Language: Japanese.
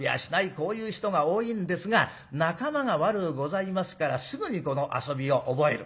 こういう人が多いんですが仲間が悪うございますからすぐにこの遊びを覚える。